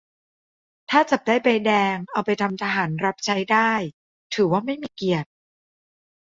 - ถ้าจับได้ใบแดง เอาไปทำทหารรับใช้ได้ ถือว่าไม่มีเกียรติ ?